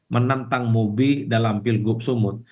menantang mobi dalam pilgub sumut